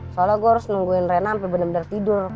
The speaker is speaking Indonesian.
soalnya gue harus nungguin rena sampe bener bener tidur